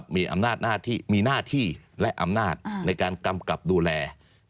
มีหน้าที่และอำนาจในการกำกับดูแล